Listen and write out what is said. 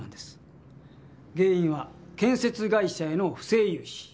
原因は建設会社への不正融資。